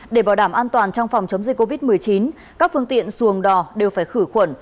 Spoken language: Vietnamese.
để bảo đảm an toàn trong phòng chống dịch covid một mươi chín các phương tiện xuồng đò đều phải khử khuẩn